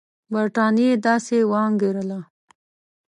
برټانیې داسې وانګېرله.